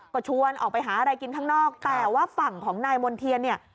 ก็ชวนออกไปหาอะไรกินข้างนอกแต่ว่าฝั่งของนายมณ์เทียนเนี่ย